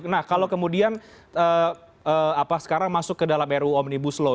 nah kalau kemudian sekarang masuk ke dalam ruu omnibus law